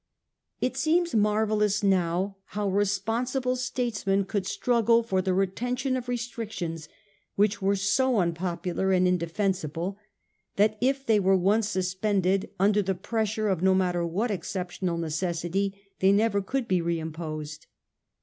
It seems marvellous now how responsible statesmen could struggle for the retention of restrictions which were so unpopular and indefensible that if they were once suspended under the pressure of no matter what exceptional necessity, they never could be reim posed.